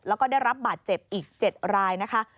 แล้วก็ได้รับบาดเจ็บอีก๗รายนะคะ